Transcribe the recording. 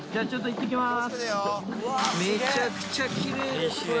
いってきます。